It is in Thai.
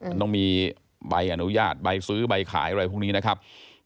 มันต้องมีใบอนุญาตใบซื้อใบขายอะไรพวกนี้นะครับ